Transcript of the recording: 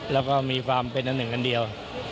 แล้วก็มีความเป็นอันหนึ่งอันเดียว